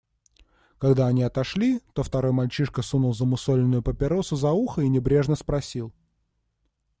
Когда они отошли, то второй мальчишка сунул замусоленную папиросу за ухо и небрежно спросил.